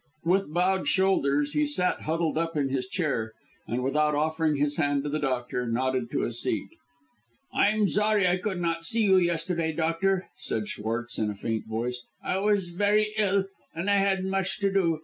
With bowed shoulders he sat huddled up in his chair, and without offering his hand to the doctor, nodded to a seat. "I am sorry I could not see you yesterday, doctor," said Schwartz, in a faint voice; "I was very ill, and I had much to do.